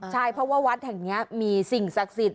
ใช่เพราะว่าวัดแห่งนี้มีสิ่งศักดิ์สิทธิ